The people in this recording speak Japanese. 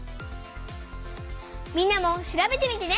みんなも調べてみてね！